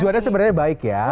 tujuannya sebenarnya baik ya